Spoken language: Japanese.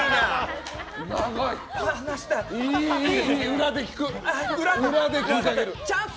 裏で聞く。